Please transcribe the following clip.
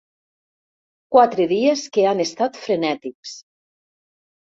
Quatre dies que han estat frenètics.